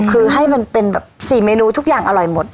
คือให้มันเป็นแบบ๔เมนูทุกอย่างอร่อยหมด